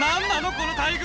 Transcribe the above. この大群。